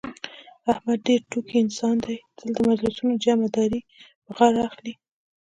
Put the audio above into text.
احمد ډېر ټوکي انسان دی، تل د مجلسونو جمعه داري په غاړه لري.